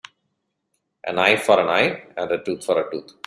An eye for an eye and a tooth for a tooth.